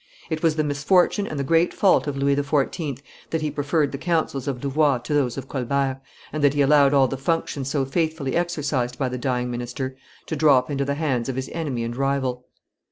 It was the misfortune and the great fault of Louis XIV. that he preferred the counsels of Louvois to those of Colbert, and that he allowed all the functions so faithfully exercised by the dying minister to drop into the hands of his enemy and rival.